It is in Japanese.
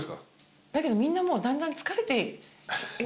だけどみんなもうだんだん疲れて。